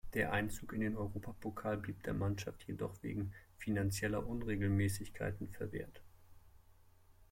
Der Einzug in den Europapokal blieb der Mannschaft jedoch wegen „finanzieller Unregelmäßigkeiten“ verwehrt.